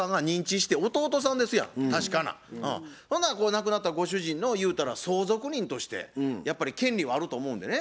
亡くなったご主人のゆうたら相続人としてやっぱり権利はあると思うんでね。